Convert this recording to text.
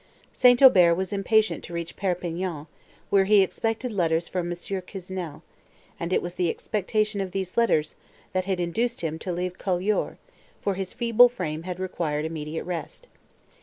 St. Aubert was impatient to reach Perpignan, where he expected letters from M. Quesnel; and it was the expectation of these letters, that had induced him to leave Colioure, for his feeble frame had required immediate rest.